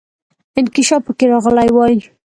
انکشاف پکې راغلی وای.